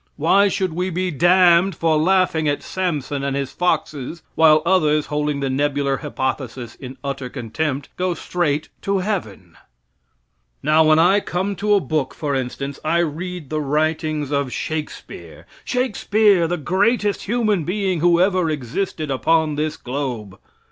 Why should we be damned for laughing at Samson and his foxes, while others, holding the nebular hypothesis in utter contempt, go straight to heaven? Now when I come to a book, for instance, I read the writings of Shakespeare Shakespeare, the greatest human being who ever existed upon this globe.